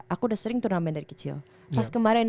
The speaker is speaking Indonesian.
aku udah sering turnamen dari kecil pas kemarin